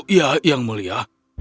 ya yang mulia